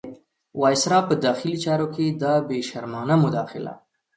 وایسرا په داخلي چارو کې دا بې شرمانه مداخله.